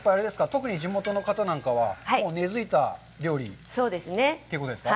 特に地元の方なんかは、根づいた料理ということですか。